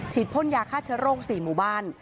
พ่นยาฆ่าเชื้อโรค๔หมู่บ้าน